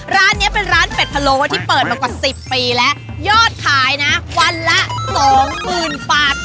ร้านเนี้ยเป็นร้านเป็ดพะโลที่เปิดมากว่าสิบปีแล้วยอดขายนะวันละสองหมื่นบาท